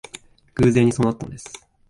偶然にそうなったのです